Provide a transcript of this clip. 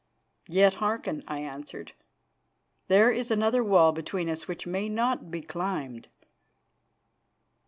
"Yet hearken," I answered. "There is another wall between us which may not be climbed."